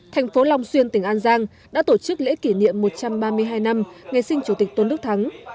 thành phố long xuyên tỉnh an giang đã tổ chức lễ kỷ niệm một trăm ba mươi hai năm ngày sinh chủ tịch tôn đức thắng